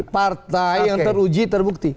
partai yang teruji terbukti